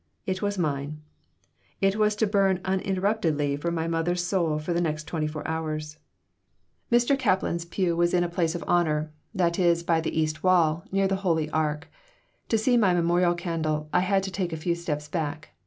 It was mine. It was to burn uninterruptedly for my mother's soul for the next twenty four hours. Mr. Kaplan's pew was in a place of honor that is, by the east wall, near the Holy Ark. To see my memorial candle I had to take a few steps back.